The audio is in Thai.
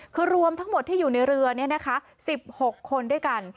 คือรวมทั้งหมดที่อยู่ในเรือ๑๖คนด้วยกัน